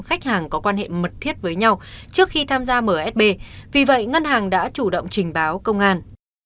khách hàng có quan hệ mật thiết với nhau trước khi tham gia msb vì vậy ngân hàng đã chủ động trình báo công an